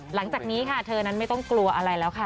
หลังจากนี้ค่ะเธอนั้นไม่ต้องกลัวอะไรแล้วค่ะ